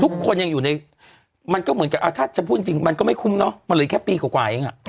ทุกคนยังอยู่ในมันก็เหมือนกับถ้าจะพูดจริงมันก็ไม่คุ้มเนาะมันเหลือแค่ปีกว่าเอง